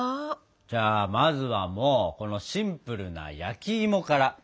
じゃあまずはもうこのシンプルな焼きいもから。